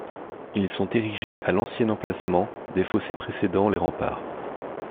Ils sont érigés à l'ancien emplacement des fossés précédant les remparts.